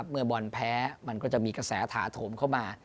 เมื่อบอลแพ้มันก็จะมีกระแสถาโถมเข้ามา